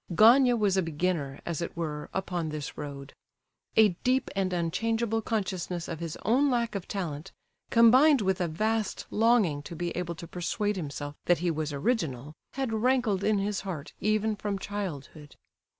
Gania was a beginner, as it were, upon this road. A deep and unchangeable consciousness of his own lack of talent, combined with a vast longing to be able to persuade himself that he was original, had rankled in his heart, even from childhood.